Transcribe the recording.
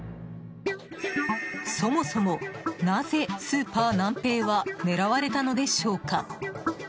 そもそも、なぜスーパーナンペイは狙われたのでしょうか？